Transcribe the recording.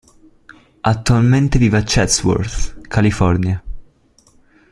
Attualmente vive a Chatsworth, California.